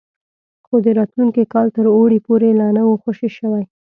خو د راتلونکي کال تر اوړي پورې لا نه وو خوشي شوي.